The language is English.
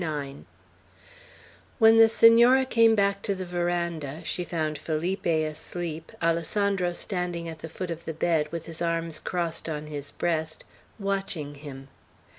IX WHEN the Senora came back to the veranda, she found Felipe asleep, Alessandro standing at the foot of the bed, with his arms crossed on his breast, watching him.